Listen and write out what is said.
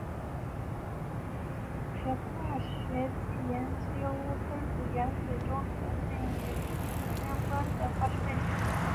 磁化学即研究分子原子中特性与磁学相关的化学问题。